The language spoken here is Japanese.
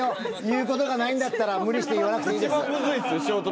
言うことがないんだったら無理して言わなくていいです。